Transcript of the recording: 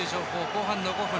後半の５分